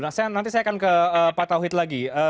nah nanti saya akan ke pak tauhid lagi